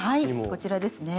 こちらですね。